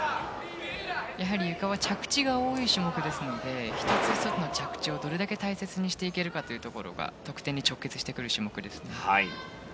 ゆかは着地が多い種目ですので１つ１つの着地をどれだけ大切にしていけるかが得点に直結してくる種目ですね。